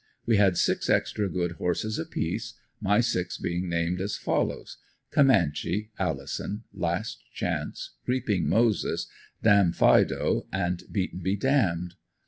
We had six extra good horses apiece, my six being named as follows: Comanche, Allisan, Last Chance, Creeping Moses, Damfido and Beat and be damned.